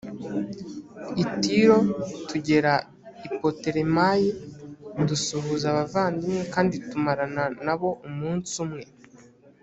i tiro tugera i putolemayi dusuhuza abavandimwe kandi tumarana na bo umunsi umwe